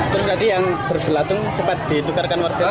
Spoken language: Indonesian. terus tadi yang berbelatung cepat ditukarkan warga